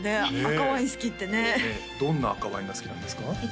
赤ワイン好きってねどんな赤ワインが好きなんですか？